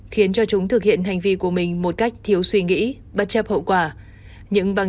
khiến cho chúng thực hiện hành vi của mình một cách thiếu suy nghĩ bất chấp hậu quả